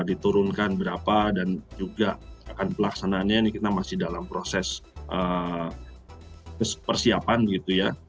diturunkan berapa dan juga akan pelaksanaannya ini kita masih dalam proses persiapan gitu ya